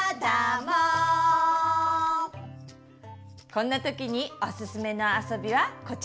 こんな時におすすめのあそびはこちら！